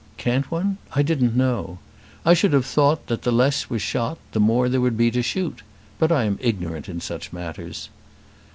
"Can't one? I didn't know. I should have thought that the less was shot the more there would be to shoot; but I am ignorant in such matters."